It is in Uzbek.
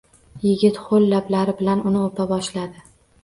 Yigit hoʻl lablari bilan uni oʻpa boshladi